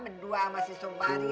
berdua sama si sobari